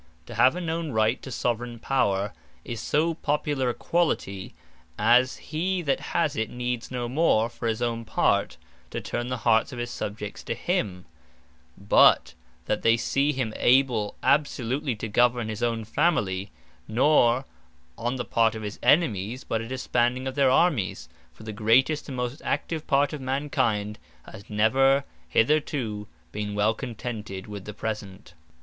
To have a known Right to Soveraign Power, is so popular a quality, as he that has it needs no more, for his own part, to turn the hearts of his Subjects to him, but that they see him able absolutely to govern his own Family: Nor, on the part of his enemies, but a disbanding of their Armies. For the greatest and most active part of Mankind, has never hetherto been well contented with the present.